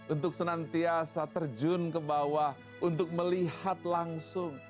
untuk senantiasa terjun ke bawah untuk melihat langsung